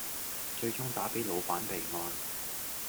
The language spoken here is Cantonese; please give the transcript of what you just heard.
最終打俾老闆備案